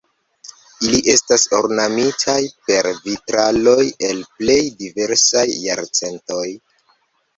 Ili estas ornamitaj per vitraloj el plej diversaj jarcentoj.